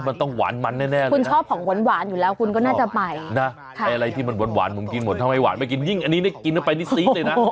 มันต้องหวานมันแน่คุณชอบของหวานอยู่แล้วคุณก็น่าจะไปนะไอ้อะไรที่มันหวานผมกินหมดถ้าไม่หวานไม่กินยิ่งอันนี้ได้กินเข้าไปนี่ซีดเลยนะ